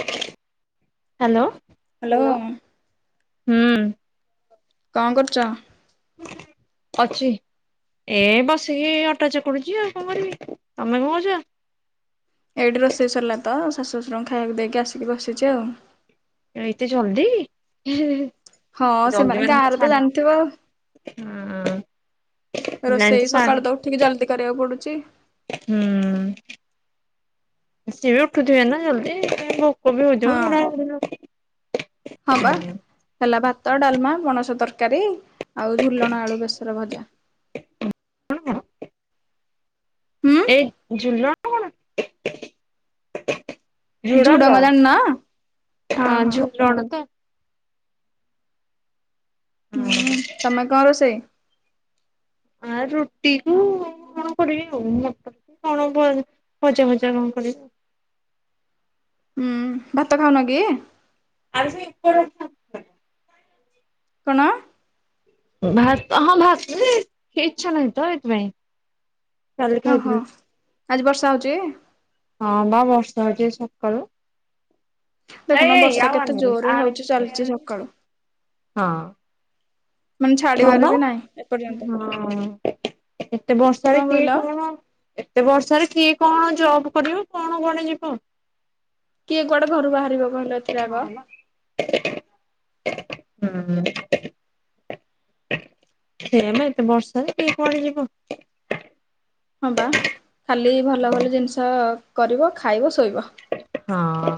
Hello. Hello. ହୁଁ। କଣ କରୁଛ? ଅଛି। ଏ ବସିକି ଅଟା ଚକୁଡୁଛି ଆଉ କଣ କରିବି ତମେ କଣ କରୁଛ? ଏଇଠି ରୋଷେଇ ସରିଲା ତ ଶାଶୁ ଶ୍ୱଶୁରଙ୍କୁ ଖାଇବାକୁ ଦେଇକି ଆସିକି ବସିଛି ଆଉ। ଏଇ ଏତେ ଜଲ୍ଦୀ? ହଁ ସେମାନେ ଗାଁରେ ତ ଜାଣିଥିବ ହଁ ହେଲାଣି ରୋଷେଇ ସାଢେ ସକାଳୁ ତ ଉଠିକି ଜଲଦି କରିବାକୁ ପଡୁଛି। ହୁଁ। ସେ ବି ଉଠୁଥିବେ ନା ଜଲଦି ଭୋ କ ବି ହୋଇ ହଁ ଯାଉନା ହଁ ବା ହେଲା ଭାତ ଡାଲମା ପଣସ ତରକାରୀ ଆଉ ଝୁଲଣ ଆଳୁ ବେସର ଭଜା। ହୁଁ ଏ ଝୁଲଣ କଣ? ଝୁଡଙ୍ଗ ହଁ ଆ ହଁ ଝୁଲଣ ତ ହୁଁ ତମେ କଣ ରୋଷେଇ? ଆ ରୁଟି କୁ କଣ କରିବି ଆଉ ମଟର କ କଣ ଭ ଭଜା ଭଜା କଣ [unintelligible] ହୁଁ ଭାତ ଖାଉନ କି? ଆ [unintelligible] କଣ? ଭାତ ହଁ ଭାତରେ ଇଚ୍ଛା ନାହିଁ ତ ଏଥିପାଇଁ କାଲି ଓହୋ ଖାଇଥିଲି ଆଜି ବର୍ଷା ହଉଚି ହଁ ବା ବର୍ଷା ହଉଛି ସକାଳୁ ଦେଖୁନ ଏଇ ବର୍ଷା ଆ କେତେ ଜୋରରେ ହଉଛି ଚାଲିଛି ସକାଳୁ [unintelligible] ହଁ ମାନେ ହଁ ଛାଡିବାର ବା ବି ନାଇଁ ହଁ ଏତେ କଣ ବର୍ଷାରେ କିଏ କହିଲ କଣ ଏତେ ବର୍ଷାରେ କିଏ କଣ ଜବ୍ କରିବ କଣ କଣ ଯିବ କିଏ କୁଆଡେ ଘରୁ ବାହାରିବ କହିଲେ ଏଥିରେ ଆଗ ବା [unintelligible] ହୁଁ ସେଇଆ ପା ଏତେ ବର୍ଷାରେ କିଏ କୁଆଡ଼େ ଯିବ? ହଁ ବା ଖାଲି ଭଲ ହଁ ଭଲ ଜିନିଷ କରିବ ଖାଇବ ଶୋଇବ ହଁ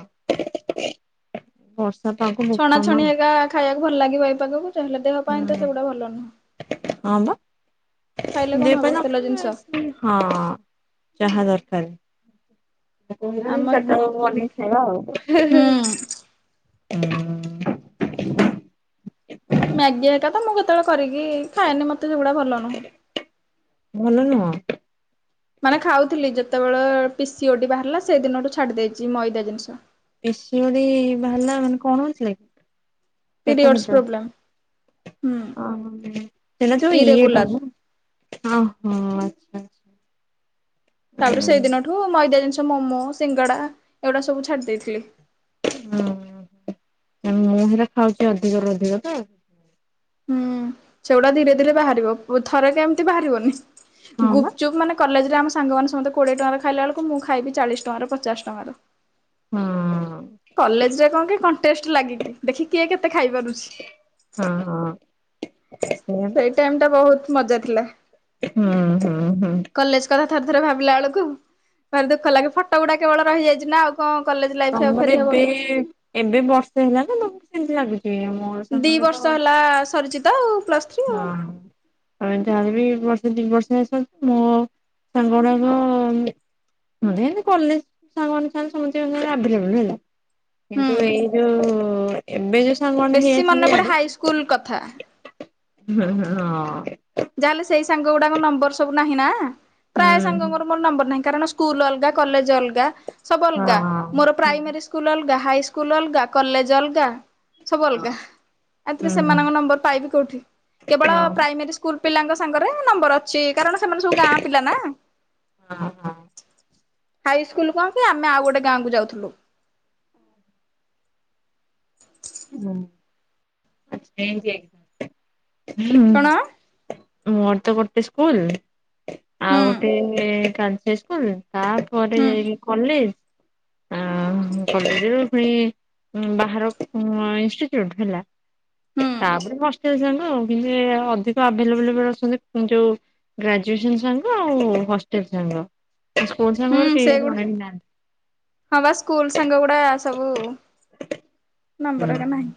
[unintelligible] ବର ଛଣାଛଣି ଏକା ଖାଇବାକୁ ଭଲ ଲାଗିବ ଏ ପାଗକୁ ତାହେଲେ ଦେହ ପାଇଁ ତ ସେଗୁଡା ଭଲ ନୁହଁ ଯେ ଖାଇଲେ [unintelligible] କଣ ହବ ଚାହା ତେଲ ଜିନିଷ ଦରକାର [unintelligible] କେତେ ହଇରାଣ ଆମ ହେବି ହୁଁ ଚାରିଟା ବେଳକୁ ବନେଇକି ଖାଇବା ଆଉ ହେଁ ହେଁ ହେଁ ହୁଁ [unintelligible] ମ୍ୟାଗି ଏକା ତ ମୁଁ କେତେବେଳେ କରିକି ଖାଏନି ମତେ ସେଗୁଡା ଭଲ ନୁହଁ ଭଲ ନୁହଁ ମାନେ ଖାଉଥିଲି ଯେତେବେଳେ ପିସିି ଓଡ଼ି ବାହାରିଲା ସେଦିନଠୁ ଛାଡି ଦେଇେଇଛି ମଇଦା ଜିନିଷ ଏସିଡି ବାହାରିଲା ମାନେ କଣ ହଉଛି କି ପିରିୟଡ଼ସ ପ୍ରୋବ୍ଲେମ୍ ହୁଁ ଓହ ସେ ଯ ଇଏ ଇରେଗୁଲାର କଣ ମ ଓହ ଆଛା [inaudible] ତାପରେ ସେଇଦିନଠୁ ମଇଦା ଜିନିଷ ମୋମୋ ସିଙ୍ଗଡା ଏଗୁଡା ସବୁ ଛାଡି ଦେଇଥିଲି ହୁଁ ମୁଁ ସେଇଟା ଖାଉଛି ଅଧିକରୁୁ ଅଧିକ ତ ହୁଁ ସେଗୁଡା ଧୀରେ ଧୀରେ ବାହାରିବ ଥରେ କେ ଏମିତି ବାହାରିବନି ହଁ ବା ଗୁପ ଚୁପ୍ ମାନେ କଲେଜ ଆମ ସାଙ୍ଗମାନେ ସମସ୍ତେ କୋଡିଏ ଟଙ୍କାର ର ଖାଇଲା ବେଳକୁ ମୁଁ ଖାଇବି ଚାଳିଶ ଟଙ୍କାର ପଚାଶ ଟଙ୍କାର ହଁ ହ କଲେଜରେ କଣ କି କଣ୍ଟେଷ୍ଟ ଲାଗିକି ଦେଖି କିଏ କେତେ ଖାଇପାରୁଛି। ହଁ ହଁ ସେଇଆ ପା ସେଇ ଟାଇମ ଟା ବହୁତ ମଜା ଥିଲା ହୁଁ ହୁଁ ହୁଁ କଲେଜ କଥା ଥରେ ଥରେ ଭାବିଲା ବେଳକୁ ଭାରି ଦୁଃଖ ଲାଗେ ଫଟୋ ଗୁଡା କେବଳ ରହିଯାଇଛି ନା ଆଉ କଣ କଲେଜ ଲାଇଫ ଆଉ ତମର ଫେରି ହବ ଏବେ କି? ଏବେ ବର୍ଷେ ହେଲା ନା ତମକୁ ସେମିତି ଲାଗୁଛି ମୋର ଦି ସାଙ୍ଗର ତ ବର୍ଷ ହେଲା ସରିଚିତ ଆଉ ପ୍ଲସ୍ ଥ୍ରୀ ଆଉ ହଁ ଯା ହେଲେ ବି ତିନି ବର୍ଷରେ ସବୁ ମୋ ସାଙ୍ଗ ଗୁଡାକ କଲେଜ ସାଙ୍ଗ ମାନଙ୍କ ସାଙ୍ଗେ ସମିତିଙ୍କ ସହିତ ସମସ୍ତଙ୍କ ଘରେ ଆଭେଲେବୁଲ କିନ୍ତୁ ହୁଁ। ଏଇ ଯୋଉ ଏବେ ଯଉ ବେଶୀ ମନେ ପଡେ ହାଇସ୍କୁଲ କଥା ହୁଁ ହୁଁ ହଁ ଯାହାହେଲେ ସେଇ ସାଙ୍ଗ ଗୁଡା ନମ୍ବର ସବୁ ନାହିଁ ନା ପ୍ରାୟ ସାଙ୍ଗ ମୋର ମୋର ନମ୍ବର ନାହିଁ କାରଣ ସ୍କୁଲ ଅଲଗା କଲେଜ ଅଲଗା ସବୁ ହୁଁ ଅଲଗା ମୋର ହଁ ହୁଁ ପ୍ରାଇମାରୀ ସ୍କୁଲ ଅଲଗା ଏବେ ହାଇସ୍କୁଲ ଅଲଗା କଲେଜ ଅଲଗା ସବୁ ଅଲଗା ଆଥିରେ ହୁଁ ସେମାନଙ୍କ ନମ୍ବର ପାଇବି କୋଉଠି କେବଳ ହଁ ପ୍ରାଇମୋରୀ ପିଲାଙ୍କ ସାଙ୍ଗରେ ନମ୍ବର ଅ ଛି କାରଣ ସେମାନେ ସବୁ ଗାଁ ପିଲା ନା। ହଁ ହଁ। ହାଇ ସ୍କୁଲ୍ କଣ କି ଆମେ ଆଉ ଗୋଟେ ଗାଁ କୁ ଯାଉଥୁଲୁ। ହୁଁ। କଣ ମୋର ତ ଗୋଟେ ସ୍କୁଲ୍ ହୁଁ ଆଉ ଗୋଟେ ଗାର୍ଲସ ହାଇ ସ୍କୁଲ୍। ତାପରେ ହୁଁ ଯାଇକି କଲେଜ୍। ଆହୁ କଲେଜ୍ ରୁ ପୁଣି ଉଁ, ବାହାର ଉଁ, ଇନଷ୍ଟିଚୁଟ ହେଲା। ହୁଁ ତାପରେ ହସ୍ ଷ୍ଟେଲ ସାଙ୍ଗ। କିନ୍ତୁ ଏ ଆ, ଅଧିକ ଆଭେଲେବଲ୍ ଅଛନ୍ତି ଯୋଉ ଗ୍ରାଜୁଏସନ୍ ସାଙ୍ଗ ଆଉ ହଷ୍ଟେଲ୍ ସାଙ୍ଗ। ସ୍କୁଲ୍ ସାଙ୍ଗ ହୁଁ ମୋର କେହି ସେଗୁଡା ଜଣେ ବି ନାହାନ୍ତି। ହଁ ବା ସ୍କୁଲ୍ ସାଙ୍ଗ ଗୁଡ଼ା ସବୁ ନମ୍ବର୍ ଏକା ନାହିଁ।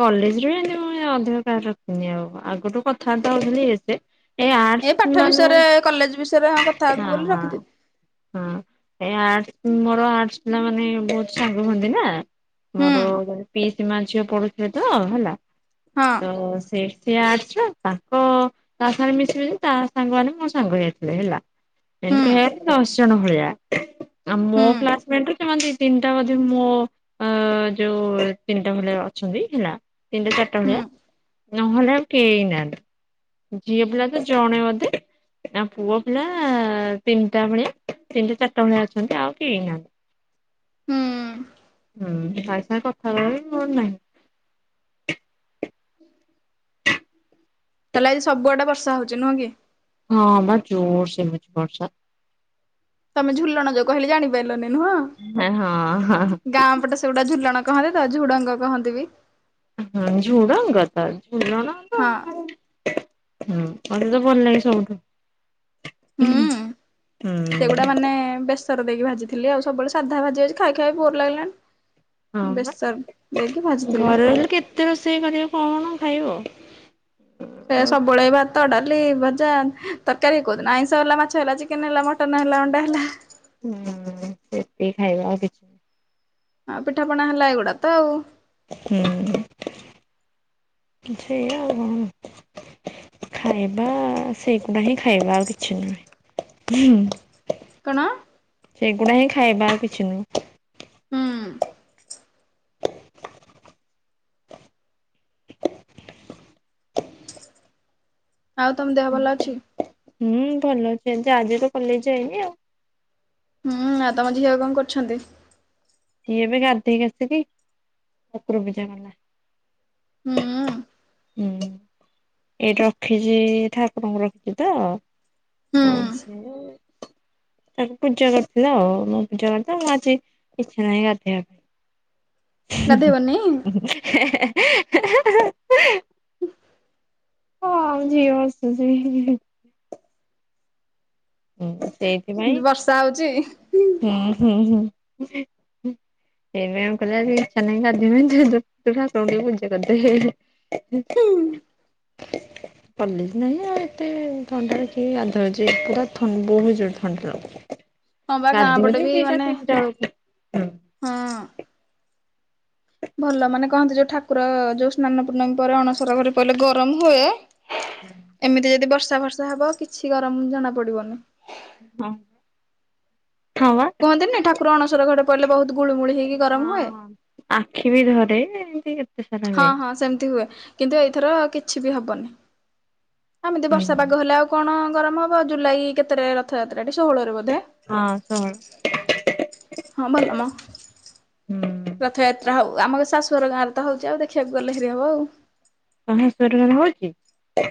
କଲେଜ୍ ରେ ଏମତି ମୁ ଏ ଅଧେ କାହାର ରଖିନି ଆଉ। ଆଗରୁୁ କଥାବାର୍ତ୍ତା ହଉଥିଲି ଏତେ ଏ ଆର୍ଟସ ପାଠ ମାନେ ବିଷୟରେ କଲେଜ ବିଷୟରେ କଥା ହେବି ହଁ, ବୋଲି ହଁ, ରଖିଦେବି ହଁ। ଏ ଆର୍ଟସ୍ ମୋର ଆର୍ଟସ୍ ପିଲା ମାନେ ବହୁତ ସାଙ୍ଗ ହୁଅନ୍ତି ନା। ହୁଁ ମୋର ପିଇ ସିମା ଝିଅ ପଢ଼ୁଥିଲେ ତ। ହେଲା ହଁ ତ ସେ ସେ ଆର୍ଟସ୍ ଛେ ତାଙ୍କ ତା ସାଙ୍ଗରେ ମିଶିବେନି ତା ସାଙ୍ଗ ମାନେ ମୋ ସାଙ୍ଗ ହେଇଥିବେ ହେଲା। ହୁଁ ଏମିତି କହିବାକୁ ଗଲେ ଦଶ ଜଣ ଭଳିଆ। ଆଉ ମୋ ହୁଁ କ୍ଲାସମେଟ୍ ସେମାନେ ଦି ତିନିଟା ବୋଧେ ମୋ ଅ, ଯୋଉ ତିନିଟା ଭଳିଆ। ଅଛନ୍ତି। ହେଲା ତିନିଟା ଚାରଟା ହୁଁ ଭଳିଆ। ନହେଲେ ଆଉ କେହି ନାହାନ୍ତି ଝିଅ ପିଲା ତ ଜଣେ ଅଧେ। ଆ ପୁଅ ପିଲା ତିନିଟା ଭଳିଆ ତିନିଟା ଚାରଟା ଭଳିଆ ଅଛନ୍ତି। ଆଉ କେହି ନାହାନ୍ତି। ହୁଁ। ହୁଁ, ଭାଇ ସାଙ୍ଗେ କଥା ହବା ବି ମୋର ନାହିଁ। ତାହେଲେ ଆଜି ସବୁଆଡେ ବର୍ଷା ହଉଛି ନୁହଁ କି? ହଁ ବା ଜୋରସେ ହଉଚି ବର୍ଷା। ତମେ ଝୁଲଣ ଯୋଉ କହିଲେ ଜାଣିପାରିଲନି ନୁହଁ। ହଁ ହଁ ଗାଁ ପଟେ ସେଗୁଡ଼ା ଝୁଲଣ କହନ୍ତି ତ ଝୁଡ଼ଙ୍ଗ କହନ୍ତି ବି। ହଁ ଝୁଡ଼ଙ୍ଗ ତ। ହଁ। ହଁ ମୋତେ ତ ଭଲ ଲାଗେ ସବୁଠୁ। ହୁଁ, ହଁ ସେଗୁଡ଼ା ମାନେ ବେସର ଦେଇକି ଭାଜିଥିଲି ଆଉ। ସବୁବେଳେ ସାଧା ଭାଜେ। ଆଜି ଖାଇ ଖାଇ ବୋର୍ ଲାଗିଲାଣି। ହଁ ବା ବେସର ଦେଇକି ଭାଜିଥିଲି ଘରେ ରହିଲେ କେତେ ରୋଷେଇ କରିବେ କଣ? ଖାଇବ। ସେ ହୁଁ ସବୁବେଳେ ଭାତ, ଡାଲି, ଭଜା, ତରକାରୀ କୋଉଦିନ ଆଇଁଷ ହେଲା। ମା ଛ ହେଲା, ଚିକନ୍ ହେଲା, ମଟନ୍ ହେଲା, ଅଣ୍ଡା ହେଲା। ହୁଁ, ସେତିକି ଖାଇବା ଆଉ କିଛି ହଁ ପିଠାପଣା ହେଲା ଏଗୁଡ଼ା ତ ଆଉ। ହୁଁ, ସେଇଆ ଆଉ କଣ। ଖାଇବା ସେଇଗୁଡ଼ା ହିଁ ଖାଇବା ଆଉ କିଛି ନୁହେଁ। ହୁଁ। କଣ? ସେଗୁଡ଼ା ହିଁ ଖାଇବା ଆଉ କିଛି ନୁହେଁ। ହୁଁ। ଆଉ ତୋମ ଦେହ ଭଲ ଅଛି? ହୁଁ, ଭଲ ଅଛି। ଏ ଆଜି ତ କଲେଜ୍ ଯାଇନି ଆଉ। ହୁଁ, ଆ ତୋମ ଝିଅ କଣ କରୁଛନ୍ତି? ସିଏ ଏବେ ଗାଧେଇକି ଆସିକି ଠାକୁର ପୂଜା କଲା। ହଁ। ହୁଁ, ଏଇିଠି ରଖିଚି ଠାକୁରଙ୍କୁ ରଖିଚି ତ। ହୁଁ ଆ ସେ ତାକୁ ପୂଜା କରିଦେଲା ଆଉ ମୋ ପୂଜା [unintelligible] ଆଜି ଇଛା ନାଁହି ଗାଧେଇ ବାକୁ ହିଁ ଗାଧେଇବନି ହିଁ ହା ହା। ହେ ହେ ହେ। ହଁ ଯିଏ ହସୁଛି ହିଁ। ହଁ ସେଇଥିପାଇଁ ବର୍ଷା ହଉଛି। ହୁଁ ହୁଁ ହୁଁ। ହଁ ହୁଁ। [unintelligible] ଇଚ୍ଛା ନାହିଁ ଗାଧେଇବାକୁ [unintelligible] ହୁଁ। ପଲି ନାହିଁ ଆଉ ଏତେ ଥଣ୍ଡା ରେ କିଏ ଗାଧୋଉଛି ପୁରା ଥ ବହୁତ ଜୋର ଥଣ୍ଡା ଲାଗୁଥାଏ। ହଁ ବା ଗାଁ ଗାଧିବ ପଟେ ବି ଦିଟା ମାନେ ତିନିଟା ବେଳକୁ, ହଁ ହୁଁ। ଭଲ ମାନେ କହନ୍ତି ଯୋଉ ଠାକୁର ଯୋଉ ସ୍ନାନ ପୂର୍ଣ୍ଣମୀ ପରେ ଅଣସର ଘରେ ପଡିଲେ ଗରମ ହୁଏ ଏମିତି ଯଦି ବର୍ଷା ବର୍ଷା ହବ କିଛି ଗରମ ଜଣା ପଡିବନି। ହ। କୁହନ୍ତିନି ଠାକୁର ଅଣସର ଘରେ ପଡ଼ିଲେ ବହୁତ ଗୁଳିୁମୁଳି ହେଇକି ଗରମ ହୁଏ। ହଁ ଆଖି ବି ଧରେ-ଏ-ଏ। ହଁ ହଁ ସେମିତି ହୁଏ। କିନ୍ତୁ ଏଇଥର କିଛି ବି ହବନି। ଏମିତି ବର୍ଷା ପାଗ ହେଲେ ଆଉ କଣ ଗରମ ହବ ଜୁଲାଇ କେତେରେ ରଥଯାତ୍ରା ଟ ହଁ ଶର ହଁ ଭଲ ମ। ହୁଁ। ରଥଯାତ୍ରା ହଉ ଆମ ଶାଶୁଘର ଗାଁରେ ହଉଛି ଆଉ ଦେଖିବାକୁ ଗଲେ ହେରି ହବ ଆଉ। ହହେ [unintelligible] ହଉଛି।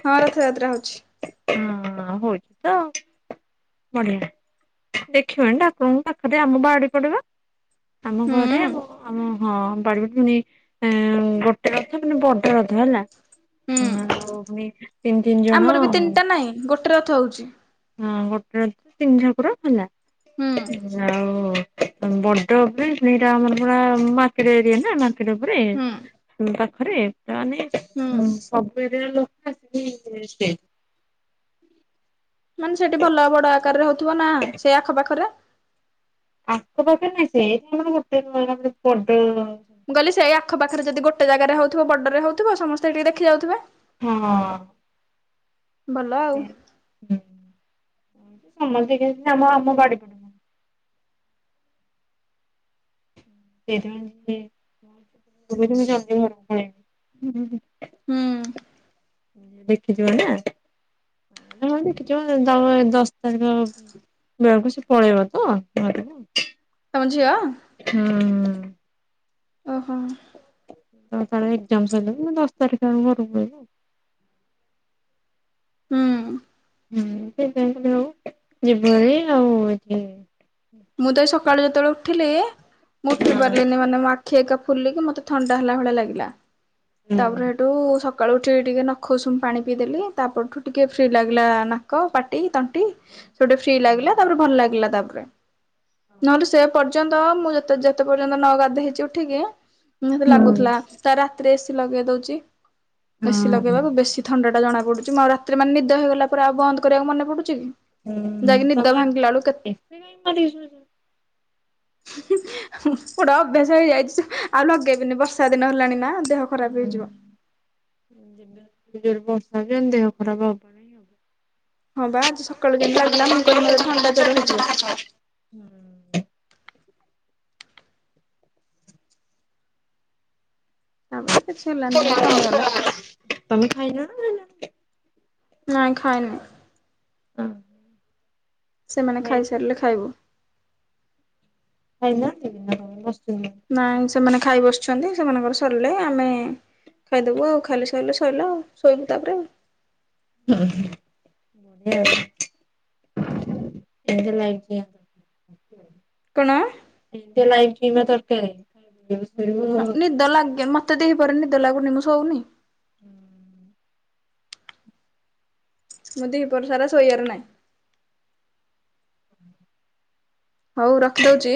ହଁ ରଥଯାତ୍ରା ହଉଛି। ହଁ-ଅ-ଅ-ଅ ହଉଛି ତ। ବଢିଆ ଦେଖିବନି ଠାକୁରଙ୍କୁ ପାଖରେ ଆମ ବାରି ପଟେ ବା। ଆମ ଘରେ ଆ ହୁଁ ଆମ ହଁ [unintelligible] ପୁଣି-ଇ-ଇ-ଇ ଗୋଟେ ରଥ ମାନେ ବଡେ ରଥ ହେଲା। ହୁଁ ହଉ ପୁଣି ତିନ ତିନି ଜଣ। ଆମର ବି ତିନିଟା ନାଇଁ ଗୋଟେ ରଥ ହଉଛି। ହଁ ଗୋଟେ ତିନି ଠାକୁର ହେଲା ହୁଁ ଆଉ-ଉ-ଉ-ଉ ବଡ ବି ସେଇଟା ଆମର ପୁରା ମାର୍କେଟ ଏରିଆ ନା ମା ରଖିଲା ପରେ ହୁଁ ଉଁ କ ହୁଁ [inaudible] ମାନେ ସେଠି ଭଲ ବଡ ଆକାରରେ ହଉଥିବ ନା ସେଇ ଆଖପାଖରେ। ଆଖ ପାଖ ନାଇ ସେ [inaudible] ମୁଁ କହିଲି ସେଇ ଆଖ ପାଖରେ ଯଦି ଗୋଟେ ଜାଗାରେ ହଉଥିବ ବଡରେ ହଉଥିବ ସମସ୍ତେ ଟିକେ ଦେଖି ଯାଉଥିବେ। ହଁ। ଭଲ ଆଉ। ସମସ୍ତିକି ଆମ ଆମ ବାଡି [inaudible] ହୁଁ। ଦେଖିଯିବ ନା ହ ଦେଖିଯିବମ ଦଶ ତାରିଖ ବକୁ ସେ ପଳେଇବ ତ ଘ ତମ ଝିଅ ହୁଁ-ଉଁ-ଉଁ। ଓହୋ। ଅ ତାର ଏକ୍ଜାମ ସରିଲା ଅ ଦଶ ତାରିଖ ଆ ଘରକୁ ପଳେଇବି। ହୁଁ। ହୁଁ ସେ ଆଉ ଯିବ ଆଉ [inaudible] ମୁଁ ତ ଏଇ ସକାଳୁ ଯେତେବେଳେ ଉଠିଲି ମୁଁ ଉଠି ପାରିଲିନି ମାନେ ମୋ ଆଖି ଏକ ଖୁଲିକି ମତେ ଥଣ୍ଡା ହେଲା ଭଳିଆ ଲାଗିଲା ତାପରେ ସେଠୁ-ଉ-ଉ-ଉ ସ ସକାଳୁ ଉଠି ଟିକେ ନଖ ଉଷୁମ ପାଣି ପିଇଦେଲି ତାପରଠୁ ଟିକେ ଫ୍ରି ଲାଗିଲା ନାକ ପାଟି ତଣ୍ଟି। ସେଉଟେ ଫ୍ରି ଲାଗିଲା ତାପରେ ଭଲ ଲାଗିଲା ତାପରେ। ନହେଲେ ସେ ପର୍ଯ୍ୟନ୍ତ ମୁଁ ଯେ ଯେତେ ପର୍ଯ୍ୟନ୍ତ ନ ଗାଧୋଇ ହେଇଛି ଉଠିକି। ନିହାତି ହୁଁ ଲାଗୁଥିଲା ତା ରାତିରେ ଏସି ଲଗେଇ ଦଉଛି। ଏସି ହଁ ହୁଁ ଲଗେଇବାକୁ ବେଶୀ ଥଣ୍ଡା ଟା ଜଣା ପଡୁଛି ମୁଁ ଆଉ ରାତିରେ ମାନେ ନିଦ ହେଇଗଲା ପରେ ଆଉ ବନ୍ଦ କରିବାକୁ ମନେ ପଡୁଛି କି। ହୁଁ ଯାଇକି ନିଦ ତମେ ଭାଙ୍ଗିଲା ବେଳୁ କେତେ ଏସି କାଇଁ ମାରିକି ସୋଉଛ। ପୋଡ ଅଭ୍ୟାସ ହେଇଯାଇଛି ଆଉ ଲଗେଇ ବିନି ବର୍ଷା ଦିନ ହେଲାଣି ନା। ଦେହ ଖରାପ ହୁଁ। ହେଇଯିବ। [inaudible] ଏଡ଼େ ଜୋରେ ବର୍ଷା ହଉଚି ମାନେ ଦେହ ଖରାପ ହେବ ହିଁ ହବ। ହଁ ବା ଆଜି ସକାଳୁ ଯେମିତି ଲାଗିଲା ମୁଁ କହିଲି ମତେ ଥଣ୍ଡା ଜର ହେଇଯିବ। ତାପରେ କିଛି ହେଲାନି ଏମିତି କମିଗଲା। ତମେ ଖାଇଲଣି କି ନାଁ। ନାଇଁ ଖାଇନି। ସେମାନେ ଖାଇ ସାରିଲେ ଖାଇବୁ। ଖାଇ ନାହାଁନ୍ତି କି ନାଁ କଣ ବସ ନାଇଁ ସେମାନେ ଖାଇ ବସିଛନ୍ତି ସେମାନଙ୍କର ସରିଲେ ଆମେ। ଖାଇଦବୁ ଆଉ ଖାଇଲେ ସଇଲେ ସଇଲା ଆ ଶୋଇବୁ ତାପରେ ଆଉ। ଉଁ ହୁଁ ବଢିଆ ଆଉ। କେଁ ତି ଲାଗିଲା। କଣ? କେଁ ତିି ଲାଗିଲା ତତେ। ହଁ ନିଦ ଲାଗେ ମତେ ଦି ପହରେ ନିଦ ଲାଗୁନି ମୁଁ ସୋଉନି। ହୁଁ। ମୁଁ ଦିପହର ସାରା ଶୋଇଆର ନାହିଁ। ହଉ ରଖି ଦଉଚି।